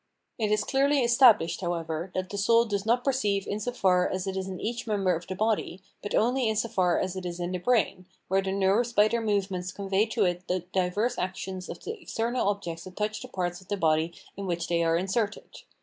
It is clearly established, however, that the soul does not perceive in so far as it is in each member of the body, but only in so far as it is in the brain, where the nerves by their movements convey to it the diverse actions of the external objects that touch the parts of the body in which they are inserted.